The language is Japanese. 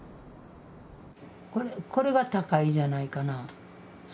これが高井じゃないかな。